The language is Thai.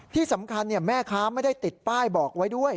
ที่สำคัญแม่ค้าไม่ได้ติดป้ายบอกไว้ด้วย